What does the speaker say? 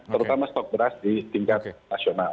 terutama stok beras di tingkat nasional